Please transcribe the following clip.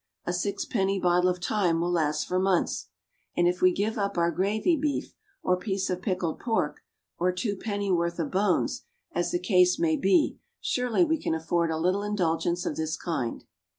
A sixpenny bottle of thyme will last for months; and if we give up our gravy beef, or piece of pickled pork, or two pennyworth of bones, as the case may be, surely we can afford a little indulgence of this kind.